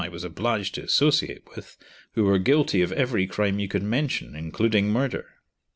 was obliged to associate with who were guilty of every crime you can mention, including murder.